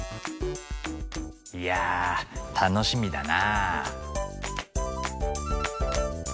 いや楽しみだな。